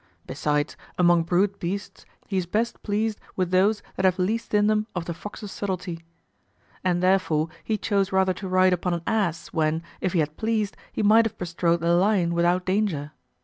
Besides, among brute beasts he is best pleased with those that have least in them of the foxes' subtlety. And therefore he chose rather to ride upon an ass when, if he had pleased, he might have bestrode the lion without danger.